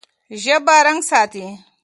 ژبه رنګ ساتي.